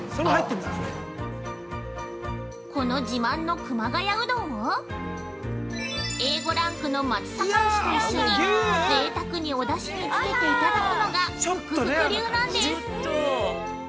◆この自慢の熊谷うどんをＡ５ランクの松阪牛と一緒にぜいたくにおだしにつけていただくのが福福流なんです。